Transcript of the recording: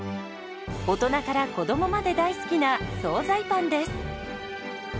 大人から子どもまで大好きな総菜パンです。